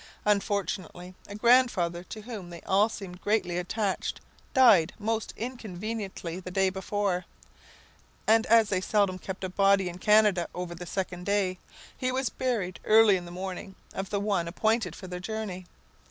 Unfortunately, a grandfather to whom they all seemed greatly attached died most inconveniently the day before, and as they seldom keep a body in Canada over the second day, he was buried early in the morning of the one appointed for their journey.